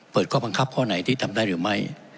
ข้อบังคับข้อไหนที่ทำได้หรือไม่